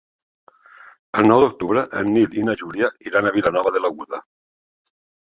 El nou d'octubre en Nil i na Júlia iran a Vilanova de l'Aguda.